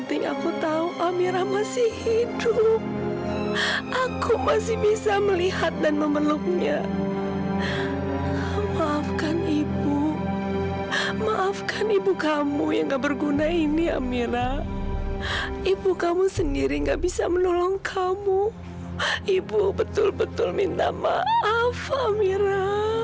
sampai papa menjadikan itu suatu syarat supaya dia bisa menolong amira